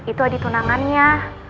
itu adi tunangannya